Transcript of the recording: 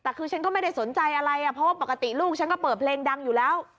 แต่คือฉันก็ไม่ได้สนใจอะไรเพราะว่าปกติลูกฉันก็เปิดเพลงดังอยู่แล้ว